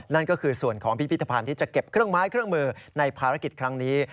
นั่นก็คือส่วนของพิพิธภัณฑ์ที่จะเก็บเครื่องไม้เครื่องมือในภารกิจครั้งนี้